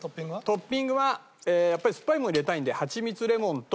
トッピングはやっぱり酸っぱいものを入れたいのではちみつレモンと。